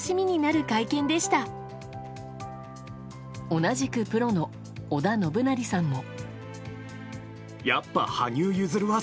同じくプロの織田信成さんも。